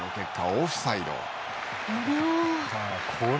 オフサイド。